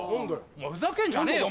お前ふざけんじゃねえよ！